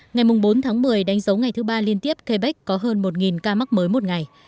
ngày bốn tháng một mươi đánh dấu ngày thứ ba liên tiếp quebec có hơn một ca mắc mới một ngày